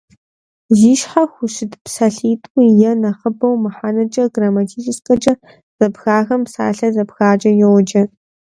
Зи щхьэ хущыт псалъитӏу е нэхъыбэу мыхьэнэкӏи грамматическэкӏи зэпхахэм псалъэ зэпхакӏэ йоджэ.